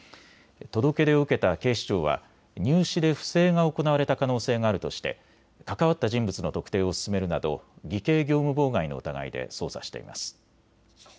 届け出を受けた警視庁は入試で不正が行われた可能性があるとして関わった人物の特定を進めるなど偽計業務妨害の疑いで捜査しています。